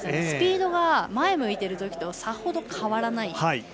スピードが前向いてるときとさほど変わらない。